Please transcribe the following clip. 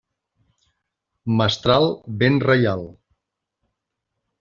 Mestral, vent reial.